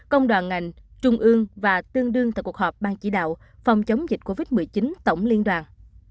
công đoàn ngành trung ương và tương đương tại cuộc họp ban chỉ đạo phòng chống dịch covid một mươi chín tổng liên đoàn